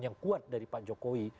yang kuat dari pak jokowi